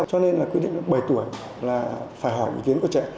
cho nên là quy định bảy tuổi là phải hỏi ý kiến của trẻ